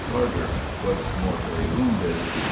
Carter was mortally wounded.